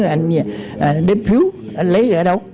anh đếm phiếu anh lấy rồi ở đâu